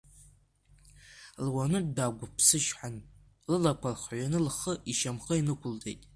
Луанытә даақәыԥсычҳан, лылақәа хҩаны лхы ишьамхы инықәлҵеит.